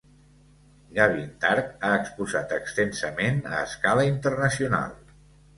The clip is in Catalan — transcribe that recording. Gavin Turk ha exposat extensament a escala internacional.